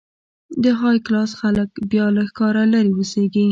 د های کلاس خلک بیا له ښاره لرې اوسېږي.